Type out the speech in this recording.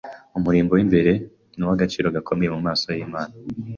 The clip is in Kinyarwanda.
umurimbo w’imbere nuw’agaciro gakomeye mu maso y’Imana